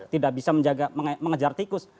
tidak bisa menjaga mengejar tikus